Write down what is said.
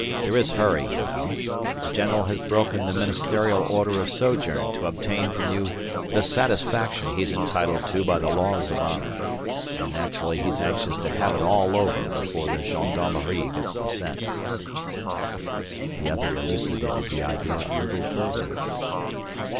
There is hurry, you know. The general has broken the ministerial order of sojourn to obtain from you the satisfaction he's entitled to by the laws of honour, and naturally he's anxious to have it all over before the gendarmerie gets the scent." The other elucidated the idea a little further.